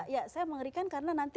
ya saya mengerikan karena nanti